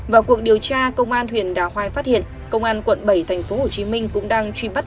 vào cuộc điều tra công an huyện đà hoai phát hiện công an quận bảy thành phố hồ chí minh cũng đang truy bắt